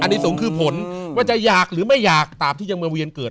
อันนี้สงฆ์คือผลว่าจะอยากหรือไม่อยากตามที่ยังมาเวียนเกิด